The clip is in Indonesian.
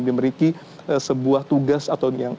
memiliki sebuah tugas atau yang